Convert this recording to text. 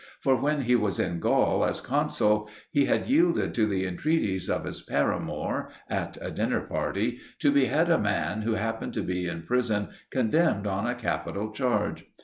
For when he was in Gaul as consul, he had yielded to the entreaties of his paramour at a dinner party to behead a man who happened to be in prison condemned on a capital charge.